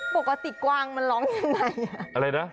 ปกติกวางมันร้องยังไงอะไรนะ